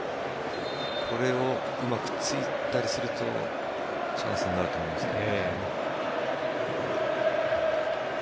これをうまく突いたりするとチャンスになると思うんですけど。